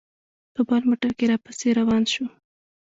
په بل موټر کې را پسې روان شو.